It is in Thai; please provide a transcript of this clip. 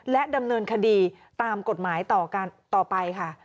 และดำเนินคดีตามกฎหมายต่อไปค่ะ